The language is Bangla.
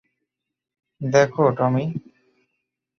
দেখ, টমি।